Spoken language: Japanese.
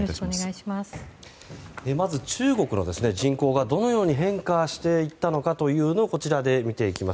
まず中国の人口がどのように変化していったのかというのをこちらで見ていきます。